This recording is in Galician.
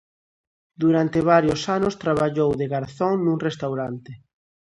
Durante varios anos traballou de garzón nun restaurante.